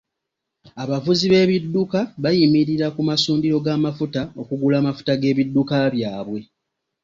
Abavuzi b'ebidduka bayimirira ku masundiro g'amafuta okugula amafuta g'ebidduka byabwe.